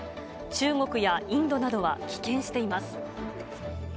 中国やインドなどは棄権しています。